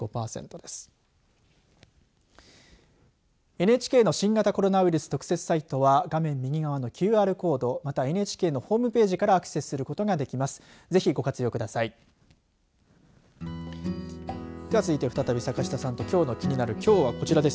ＮＨＫの新型コロナウイルス特設サイトは画面右側のＱＲコードまたはＮＨＫのホームページからアクセスすることができます。